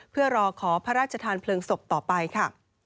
เพื่อรอขอพระราชทานเพลิงศพต่อไปค่ะ